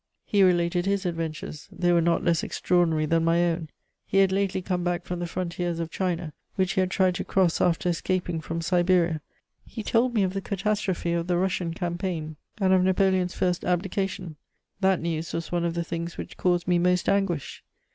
"He related his adventures; they were not less extraordinary than my own; he had lately come back from the frontiers of China, which he had tried to cross after escaping from Siberia. He told me of the catastrophe of the Russian campaign, and of Napoleon's first abdication. That news was one of the things which caused me most anguish!